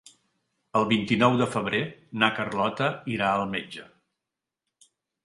El vint-i-nou de febrer na Carlota irà al metge.